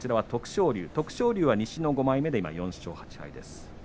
勝龍は西の５枚目で４勝８敗です。